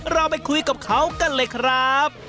เราไปคุยกับเขากันเลยครับ